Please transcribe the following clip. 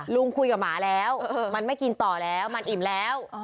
ลุงคุยกับหมาแล้วมันไม่กินต่อแล้วมันอิ่มแล้ว